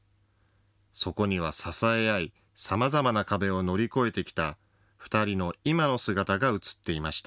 そこには、支え合い、さまざまな壁を乗り越えてきた２人の今の姿が写っていました。